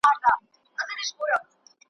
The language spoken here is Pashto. زه به بیا راځمه .